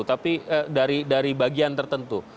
tapi ee dari dari bagian tertentu